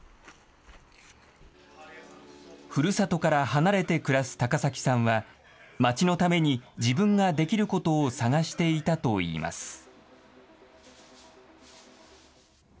ふるさとから離れて暮らす高崎さんは、町のために自分ができることを探していたといいます。